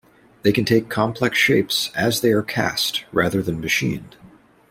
They can take complex shapes, as they are cast, rather than machined.